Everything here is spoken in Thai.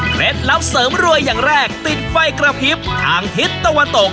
ลับเสริมรวยอย่างแรกติดไฟกระพริบทางทิศตะวันตก